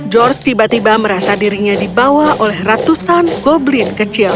george tiba tiba merasa dirinya dibawa oleh ratusan goblin kecil